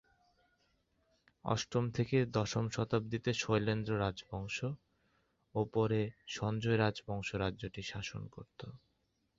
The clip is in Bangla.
অষ্টম থেকে দশম শতাব্দীতে শৈলেন্দ্র রাজবংশ ও পরে সঞ্জয় রাজবংশ রাজ্যটি শাসন করত।